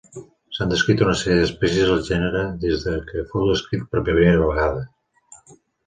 S'han descrit una sèrie d'espècies al gènere des que fou descrit per primera vegada.